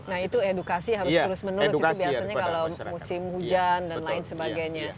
nah itu edukasi harus terus menerus itu biasanya kalau musim hujan dan lain sebagainya